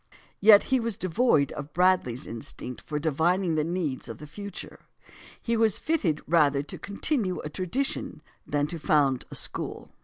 Yet he was devoid of Bradley's instinct for divining the needs of the future. He was fitted rather to continue a tradition than to found a school.